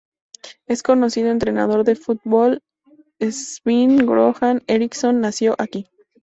El conocido entrenador de fútbol Sven-Göran Eriksson, nació aquí.